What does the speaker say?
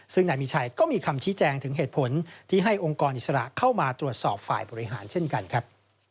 ซึ่งนายมีชัยก็มีคำชี้แจงถึงเหตุผลที่ให้องค์กรอิสระเข้ามาตรวจสอบฝ่ายบริหารเช่นกันครับ